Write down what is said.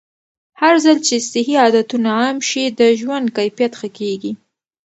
هرځل چې صحي عادتونه عام شي، د ژوند کیفیت ښه کېږي.